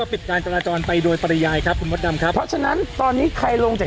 ทางกลุ่มมวลชนทะลุฟ้าทางกลุ่มมวลชนทะลุฟ้า